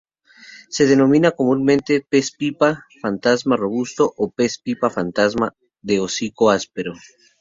Se denomina comúnmente pez pipa fantasma robusto o pez pipa fantasma de hocico áspero.